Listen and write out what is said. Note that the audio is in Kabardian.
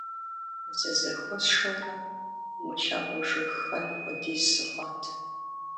Зызэхуэсшэурэ, умылъагъужыххэн хуэдиз сыхъуат.